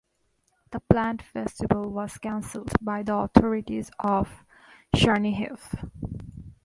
The planned festival was canceled by the authorities of Chernihiv.